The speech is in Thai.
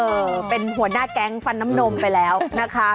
เป็นหัวหน้าแก๊งฟันน้ำนมไปแล้วนะคะ